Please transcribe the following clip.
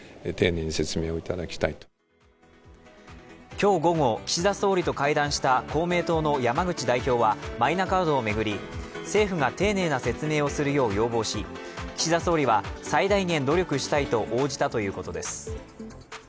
今日午後、岸田総理と会談した公明党の山口代表は、マイナカードを巡り、政府が丁寧な説明をするよう要望し岸田総理は最大限努力したいと応じたということです。